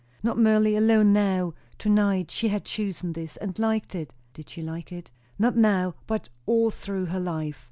Not merely alone now, to night; she had chosen this, and liked it; (did she like it?) not now, but all through her life.